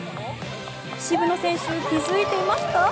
渋野選手、気付いていますか？